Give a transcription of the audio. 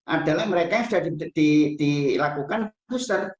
adalah mereka yang sudah dilakukan booster